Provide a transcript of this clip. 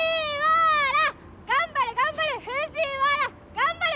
頑張れ！